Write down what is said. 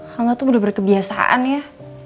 hengga tuh udah berkebiasaan ya